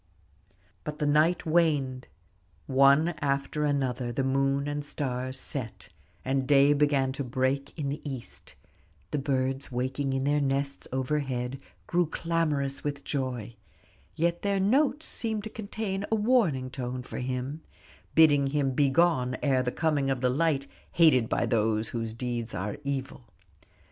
But the night waned: one after another the moon and stars set and day began to break in the east; the birds waking in their nests overhead grew clamorous with joy, yet their notes seemed to contain a warning tone for him, bidding him begone ere the coming of the light hated by those whose deeds are evil.